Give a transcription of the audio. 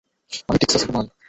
আমি টেক্সাসের মাল।